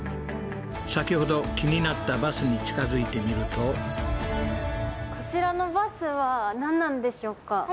先ほど気になったバスに近づいてみるとこちらのバスはなんなんでしょうか？